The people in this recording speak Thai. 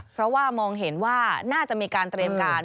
เพราะว่ามองเห็นว่าน่าจะมีการเตรียมการ